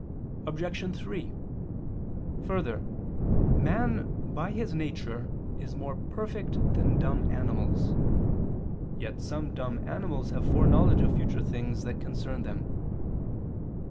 Obj. 3: Further, man, by his nature, is more perfect than dumb animals. Yet some dumb animals have foreknowledge of future things that concern them.